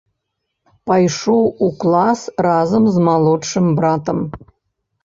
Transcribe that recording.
Пайшоў у клас разам з малодшым братам.